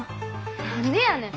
何でやねん！